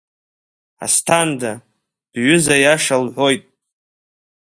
Асҭанда, бҩыза аиаша лҳәоит.